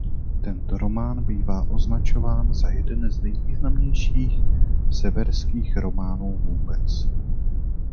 Tento román bývá označován za jeden z nejvýznamnějších severských románů vůbec.